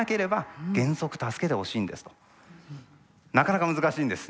なかなか難しいんです。